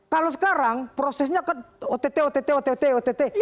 kalau sekarang prosesnya kan ott ott ott ott